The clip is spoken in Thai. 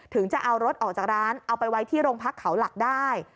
ถึงจะเอารถออกจากร้านเอาไปไว้ที่โรงพักเขาหลักได้